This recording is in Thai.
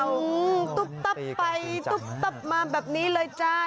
ตุ๊บตับไปตุ๊บตับมาแบบนี้เลยจ้า